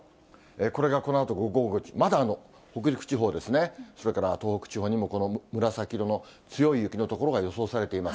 これがこのあと午後５時、まだ北陸地方ですね、それから東北地方にも、この紫色の強い雪の所が予想されています。